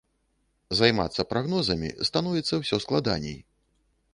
Займацца прагнозамі становіцца ўсё складаней.